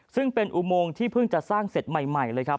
ซึ่งเป็นอุโมงที่เพิ่งจะสร้างเสร็จใหม่เลยครับ